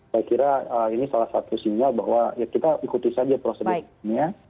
saya kira ini salah satu sinyal bahwa ya kita ikuti saja prosedurnya